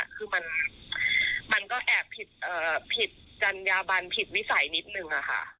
คือมันก็แอบผิดจัญญาบันผิดวิสัยนิดนึงค่ะ